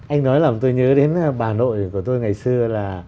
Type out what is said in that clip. anh nói là tôi nhớ đến bà nội của tôi ngày xưa là